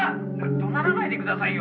「怒鳴らないでくださいよ。